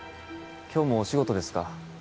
今日もお仕事ですか？